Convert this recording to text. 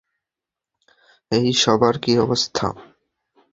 হেই, সবার কী অবস্থা?